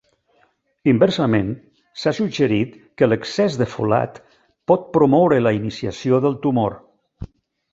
Inversament, s'ha suggerit que l'excés de folat pot promoure la iniciació del tumor.